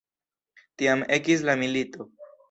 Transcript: Tiam ekis la milito.